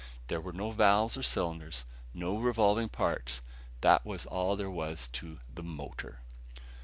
There were no valves nor cylinders, no revolving parts: that was all there was to the "motor."